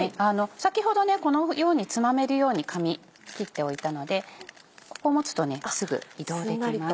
先ほどこのようにつまめるように紙切っておいたのでここ持つとすぐ移動できます。